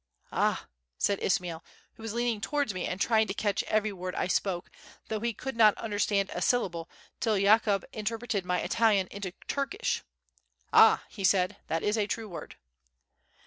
"Ah!" said Ismail, who was leaning towards me and trying to catch every word I spoke, though he could not understand a syllable till Yakoub interpreted my Italian into Turkish. "Ah!" he said, "that is a true word."